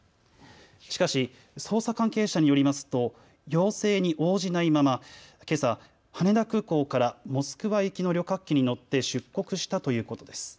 しかし捜査関係者によりますと要請に応じないまま、けさ羽田空港からモスクワ行きの旅客機に乗って出国したということです。